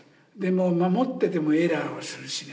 守っててもエラーはするしね。